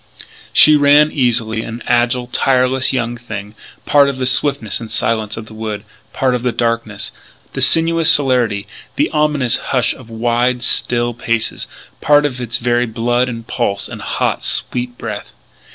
She ran easily, an agile, tireless young thing, part of the swiftness and silence of the woods part of the darkness, the sinuous celerity, the ominous hush of wide, still places part of its very blood and pulse and hot, sweet breath.